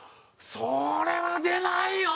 それは出ないよ！